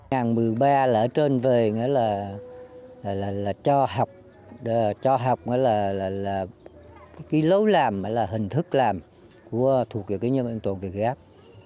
năm hai nghìn một mươi ba là ở trên về là cho học cho học là cái lấu làm là hình thức làm của thủ kiểu kinh doanh tổng việt gáp